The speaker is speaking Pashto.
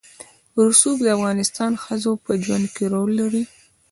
رسوب د افغان ښځو په ژوند کې رول لري.